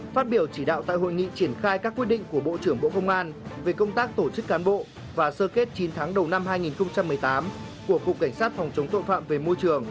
phát biểu chỉ đạo tại hội nghị triển khai các quyết định của bộ trưởng bộ công an về công tác tổ chức cán bộ và sơ kết chín tháng đầu năm hai nghìn hai mươi